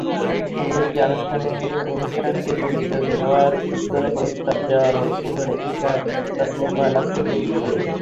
সম্প্রতি অনুষ্ঠানটির প্রতিযোগী হওয়ার জন্য প্রস্তাব দেওয়া হয়েছিল লেখিকা তসলিমা নাসরিনকে।